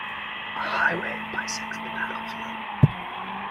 A highway bisects the battlefield.